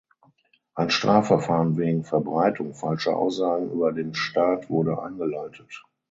Ein Strafverfahren wegen Verbreitung falscher Aussagen über den Staat wurde eingeleitet.